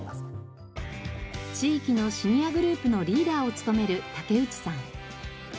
地域のシニアグループのリーダーを務める竹内さん。